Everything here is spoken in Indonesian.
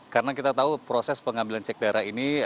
karena kita tahu proses pengambilan cek darah ini